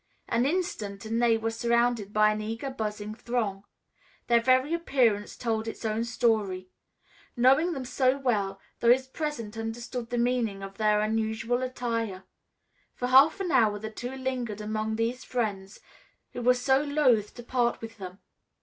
An instant and they were surrounded by an eager, buzzing throng. Their very appearance told its own story. Knowing them so well, those present understood the meaning of their unusual attire. For half an hour the two lingered among these friends who were so loth to part with them.